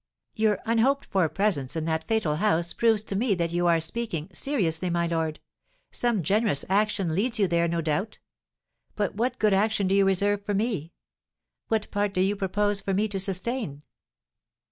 "Your unhoped for presence in that fatal house proves to me that you are speaking seriously, my lord; some generous action leads you there, no doubt! But what good action do you reserve for me? What part do you propose for me to sustain?"